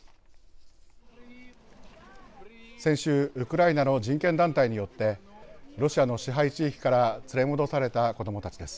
先週ウクライナの人権団体によってロシアの支配地域から連れ戻された子どもたちです。